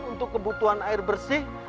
untuk kebutuhan air bersih